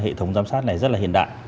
hệ thống giám sát này rất là hiện đại